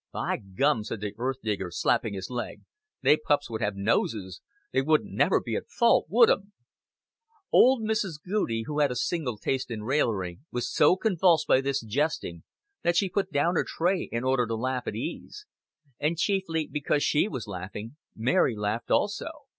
"By gum," said the earth digger, slapping his leg, "they pups would have noses. They wuddent never be at fault, would 'em?" Old Mrs. Goudie, who had a simple taste in raillery, was so convulsed by this jesting that she put down her tray in order to laugh at ease; and chiefly because she was laughing, Mary laughed also.